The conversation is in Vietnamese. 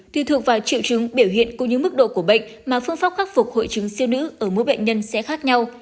tùy thuộc vào triệu chứng biểu hiện cũng như mức độ của bệnh mà phương pháp khắc phục hội chứng siêu nữ ở mỗi bệnh nhân sẽ khác nhau